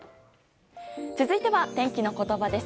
続いては天気のことばです。